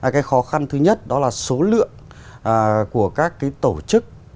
cái khó khăn thứ nhất đó là số lượng của các cái tổ chức